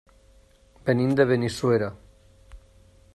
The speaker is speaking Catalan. Venim de Benissuera.